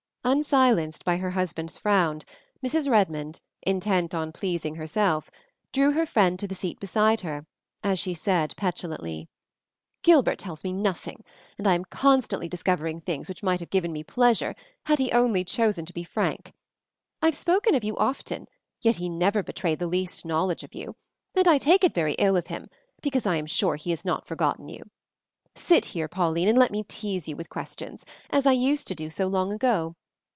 Unsilenced by her husband's frown, Mrs. Redmond, intent on pleasing herself, drew her friend to the seat beside her as she said petulantly, "Gilbert tells me nothing, and I am constantly discovering things which might have given me pleasure had he only chosen to be frank. I've spoken of you often, yet he never betrayed the least knowledge of you, and I take it very ill of him, because I am sure he has not forgotten you. Sit here, Pauline, and let me tease you with questions, as I used to do so long ago.